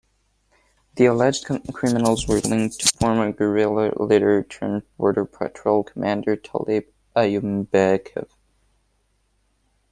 The alleged criminals were linked to former guerrilla leader-turned-border patrol commander Tolib Ayombekov.